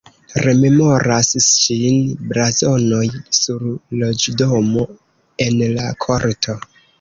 Rememoras ŝin blazonoj sur loĝdomo en la korto.